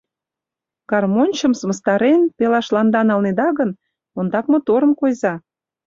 Гармоньчым, сымыстарен, пелашланда налнеда гын, ондак моторын койза.